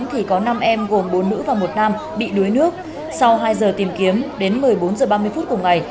thì có năm em gồm bốn nữ và một nam bị đuối nước sau hai giờ tìm kiếm đến một mươi bốn h ba mươi phút cùng ngày